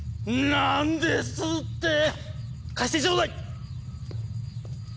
なんですって⁉貸してちょうだい！